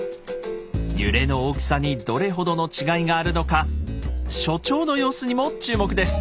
揺れの大きさにどれほどの違いがあるのか所長の様子にも注目です！